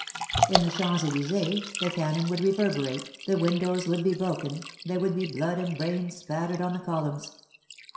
In the Champs Elys^es the cannon would reverberate, the windows would be broken, there would be blood and brains spattered on the columns.